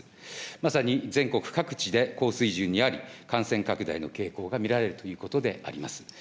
まさに全国各地で高水準にあり、感染拡大の傾向が見られるということであります。